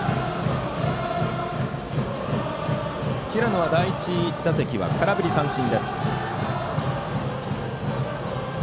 平野は第１打席は空振り三振。